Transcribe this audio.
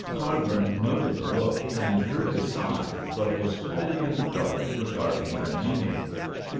Cargrim noted the look and heard the sigh, but was wholly in the dark regarding their meaning.